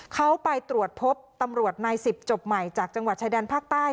เขาไปตรวจพบตำรวจนาย๑๐จบใหม่จากจังหวัดชายแดนภาคใต้